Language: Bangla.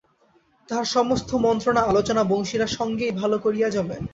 তাহার সমস্ত মন্ত্রণা আলোচনা বংশীর সঙ্গেই ভালো করিয়া জমে।